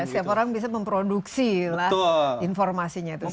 iya setiap orang bisa memproduksilah informasinya itu sendiri